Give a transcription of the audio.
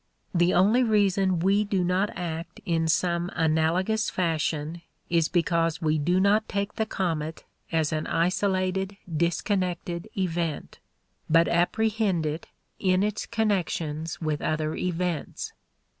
The only reason we do not act in some analogous fashion is because we do not take the comet as an isolated, disconnected event, but apprehend it in its connections with other events.